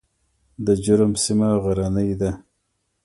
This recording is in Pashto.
د جرم سیمه غرنۍ ده